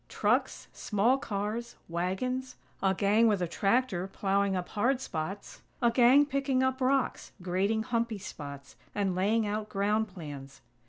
Trucks; small cars; wagons; a gang with a tractor plowing up hard spots; a gang picking up rocks, grading humpy spots, and laying out ground plans.